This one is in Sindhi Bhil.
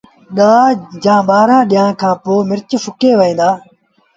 ڏآه جآݩ ٻآهرآݩ ڏيݩهآݩ کآݩ پو مرچ سُڪي وهيݩ دآ